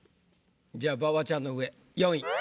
じゃあ馬場ちゃんの上４位。